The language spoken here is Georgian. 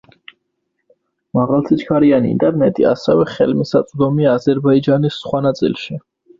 მაღალსიჩქარიანი ინტერნეტი ასევე ხელმისაწვდომია აზერბაიჯანის სხვა ნაწილში.